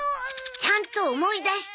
ちゃんと思い出して。